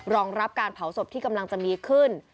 รองรับการเผาศพที่กำลังจะมีขึ้น